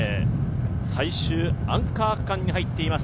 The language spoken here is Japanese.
最終、アンカー区間に入っています。